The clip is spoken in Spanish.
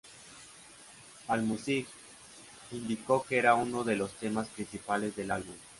Allmusic indicó que era uno de los temas principales del álbum.